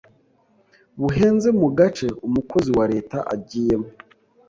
buhenze mu gace umukozi wa Leta agiyemo